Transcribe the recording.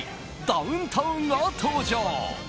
ダウンタウンが登場。